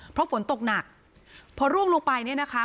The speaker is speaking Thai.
เพราะฝนตกหนักพอร่วงลงไปเนี่ยนะคะ